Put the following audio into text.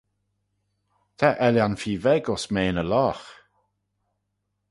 Ta ellan feer veg ayns mean y logh.